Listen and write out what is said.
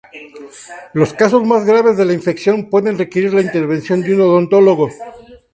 Los casos más graves de la infección pueden requerir la intervención de un odontólogo.